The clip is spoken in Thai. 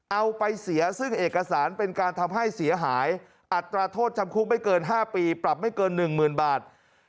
เอาไปเสียซึ่งเอกสารเป็นการทำให้เสียหายอัตราโทษจำคุกไม่เกิน๕ปีปรับไม่เกิน๑๐๐๐บาท